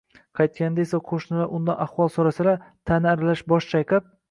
Qaytganida esa qo`shnilar undan ahvol so`rasalar, ta`na aralash bosh chayqab